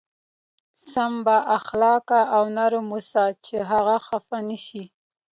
سم با اخلاقه او نرم اوسه چې هغه خفه نه شي.